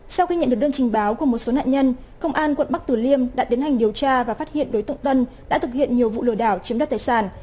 sau khi nhận được đơn trình báo của một số nạn nhân công an quận bắc tử liêm đã tiến hành điều tra và phát hiện đối tượng tân đã thực hiện nhiều vụ lừa đảo chiếm đoạt tài sản